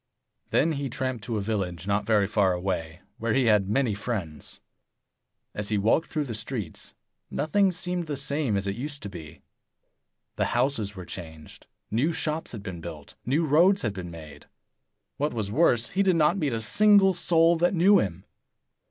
Then he tramped to a village not very far away, where he had many friends. 85 As he walked through the streets, nothing seemed the same as it used to be. The houses were changed; new shops had been built; new roads had been made. What was worse, he did not meet a single soul that knew him.